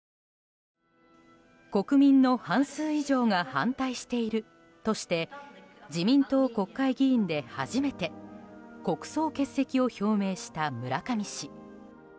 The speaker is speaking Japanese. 国民の半数以上が反対しているとして自民党国会議員で初めて国葬欠席を表明した村上氏。